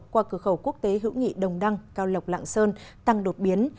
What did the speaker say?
qua cửa khẩu quốc tế hữu nghị đồng đăng cao lộc lạng sơn tăng đột biến